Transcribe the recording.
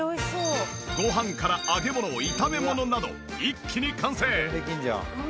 ご飯から揚げ物炒め物など一気に完成。